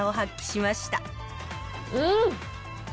うん。